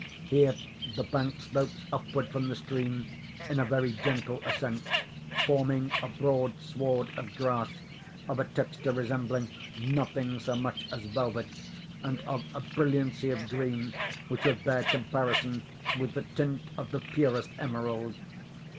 Here the bank slopes upward from the stream in a very gentle ascent, forming a broad sward of grass of a texture resembling nothing so much as velvet, and of a brilliancy of green which would bear comparison with the tint of the purest emerald.